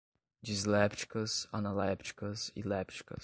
dislépticas, analépticas e lépticas